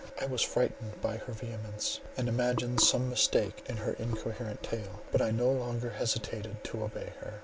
I was frightened by her vehemence, and imagined some mistake in her incoherent tale; but I no longer hesitated to obey her.